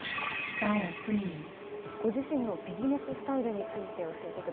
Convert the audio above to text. ご自身のビジネススタイルについて教えてください。